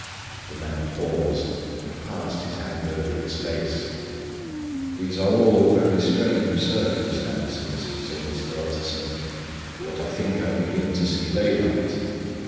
The man paused and passed his hand over his face. "These are all very strange circumstances," said Mr. Utterson, "but I think I begin to see daylight.